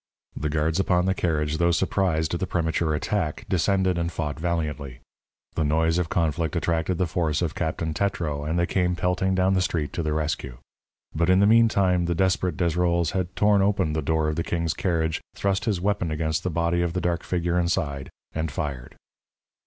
The guards upon the carriage, though surprised at the premature attack, descended and fought valiantly. The noise of conflict attracted the force of Captain Tetreau, and they came pelting down the street to the rescue. But, in the meantime, the desperate Desrolles had torn open the door of the king's carriage, thrust his weapon against the body of the dark figure inside, and fired.